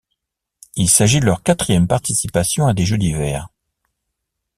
Il s'agit de leur quatrième participation à des Jeux d'hiver.